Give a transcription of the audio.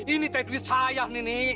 ini teh duit saya nini